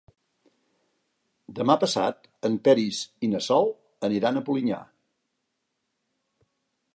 Demà passat en Peris i na Sol aniran a Polinyà.